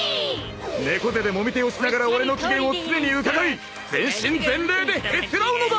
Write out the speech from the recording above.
猫背でもみ手をしながら俺の機嫌を常に伺い全身全霊でへつらうのだ！